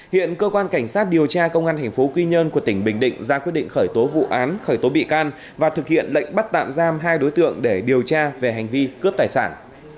hiện cơ quan cảnh sát điều tra công an thành phố quy nhơn của tỉnh bình định ra quyết định khởi tố vụ án khởi tố bị can và thực hiện lệnh bắt tạm giam hai đối tượng để điều tra về hành vi cướp tài sản